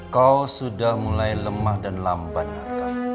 kau sudah mulai lemah dan lamban narka